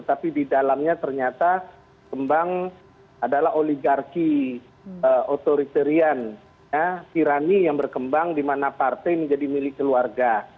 kita ingin mencari kain kain kotor yang berkembang adalah oligarki otoriterian tirani yang berkembang di mana partai menjadi milik keluarga